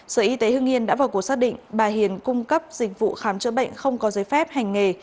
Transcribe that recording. sở y tế hương yên đã vào cuộc xác định bà hiền cung cấp dịch vụ khám chữa bệnh không có giấy phép hành nghề